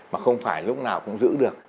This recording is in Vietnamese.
mà không phải lúc nào cũng giữ được